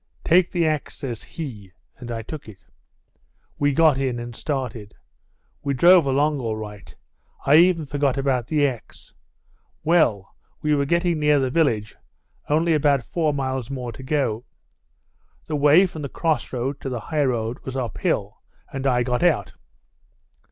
"'Take the axe,' says he, and I took it. We got in and started. We drove along all right; I even forgot about the axe. Well, we were getting near the village; only about four miles more to go. The way from the cross road to the high road was up hill, and I got out.